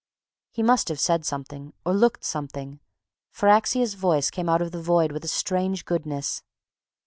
He must have said something, or looked something, for Axia's voice came out of the void with a strange goodness.